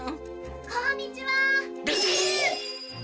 こんにちは。おっ！